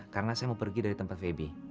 karena saya mau pergi dari tempat feby